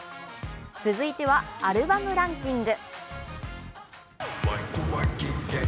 続いてはアルバムランキング。